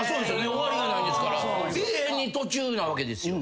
終わりがないんですから永遠に途中なわけですよ。